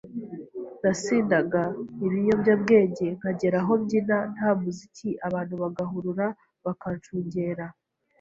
Nasindaga ibiyobyabwenge, nkagera aho mbyina nta muziki abantu bagahurura bakanshungera